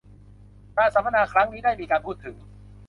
การสัมมนาครั้งนี้ได้มีการพูดถึง